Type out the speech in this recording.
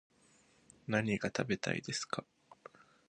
何が食べたいですか